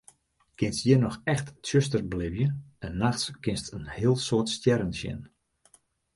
Kinst hjir noch echt tsjuster belibje en nachts kinst in heel soad stjerren sjen.